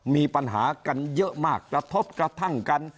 มีปัญหากันเยอะมากกระทบกระทั่งกัน